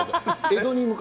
江戸に。